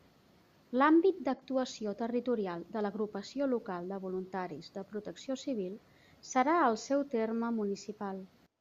L'àmbit d'actuació territorial de l'Agrupació Local de Voluntaris de Protecció Civil serà el seu terme municipal.